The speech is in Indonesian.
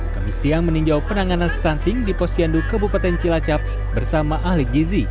kemisi yang meninjau penanganan stunting di posyandu kebupaten cilacap bersama ahli gizi